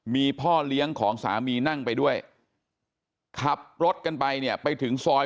มีพ่อเลี้ยงของสามีนั่งไปด้วยขับรถกันไปเนี่ยไปถึงซอย